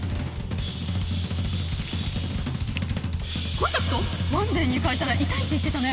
コンタクトワンデーに変えたら痛いって言ってたね。